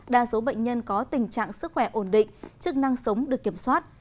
đa số bệnh nhân có tình trạng sức khỏe ổn định chức năng sống được kiểm soát